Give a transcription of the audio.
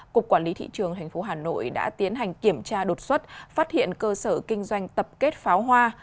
cục quản lý thị trường tp hà nội đã tiến hành kiểm tra đột xuất phát hiện cơ sở kinh doanh tập kết pháo hoa